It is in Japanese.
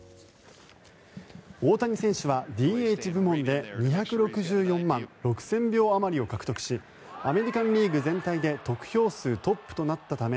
大谷選手はＤＨ部門で２６４万６０００票あまりを獲得しアメリカン・リーグ全体で得票数トップとなったため